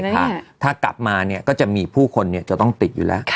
ถ้ากลับมาเนี่ยก็จะมีผู้คนจะต้องติดอยู่แล้ว